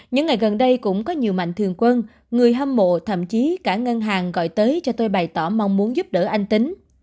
những ngày gần đây cũng có nhiều mạnh thường quân người hâm mộ thậm chí cả ngân hàng gọi tới cho tôi bày tỏ mong muốn giúp đỡ anh tính